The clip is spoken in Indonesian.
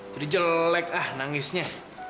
jadi jelek lah nangisnya